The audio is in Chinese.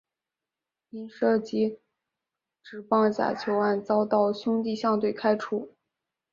因涉及职棒假球案遭到兄弟象队开除。